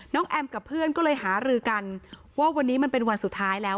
แอมกับเพื่อนก็เลยหารือกันว่าวันนี้มันเป็นวันสุดท้ายแล้ว